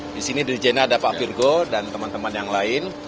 di sini di jena ada pak firgo dan teman teman yang lain